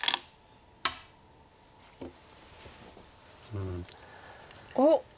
うん。おっ！